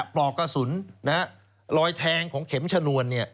ปลอกกระสุนรอยแทงของเข็มชนวน